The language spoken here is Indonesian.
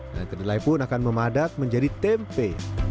dan kedelai pun akan memadat menjadi tempe